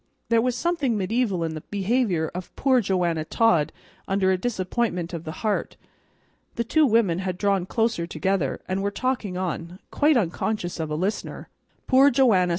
There was something mediaeval in the behavior of poor Joanna Todd under a disappointment of the heart. The two women had drawn closer together, and were talking on, quite unconscious of a listener. "Poor Joanna!"